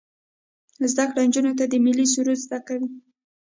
زده کړه نجونو ته د ملي سرود زده کوي.